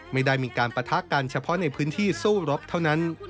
ไม่ได้มีการปะทะกันเฉพาะในพื้นที่สู้รบเท่านั้น